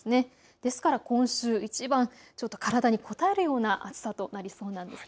ですから今週、いちばん体にこたえるような暑さになりそうです。